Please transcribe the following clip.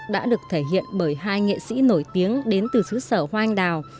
đã được thể hiện bởi hai nghệ sĩ nổi tiếng đến từ xứ sở hoa anh đào